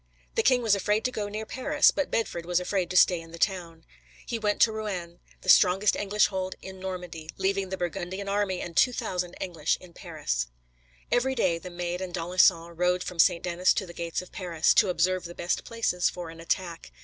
The king was afraid to go near Paris, but Bedford was afraid to stay in the town. He went to Rouen, the strongest English hold in Normandy, leaving the Burgundian army and 2,000 English in Paris. Every day, the Maid and d'Alençon rode from St. Denis to the gates of Paris, to observe the best places for an attack.